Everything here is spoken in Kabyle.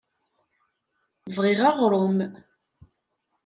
Bɣiɣ aɣrum.